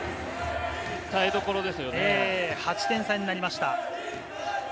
８点差になりました。